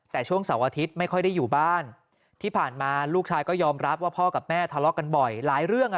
แต่ช่วงเสาร์อาทิตย์ไม่ค่อยได้อยู่บ้านที่ผ่านมาลูกชายก็ยอมรับว่าพ่อกับแม่ทะเลาะกันบ่อยหลายเรื่อง